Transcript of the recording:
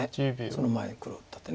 その前に黒打った手。